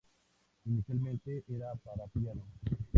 Inicialmente, era para piano.